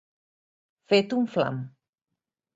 Fet un flam.